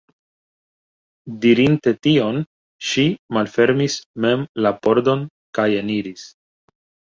Dirinte tion, ŝi malfermis mem la pordon kajeniris.